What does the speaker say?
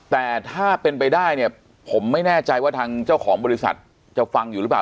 แต่ถ้าเป็นไปได้เนี่ยผมไม่แน่ใจว่าทางเจ้าของบริษัทจะฟังอยู่หรือเปล่า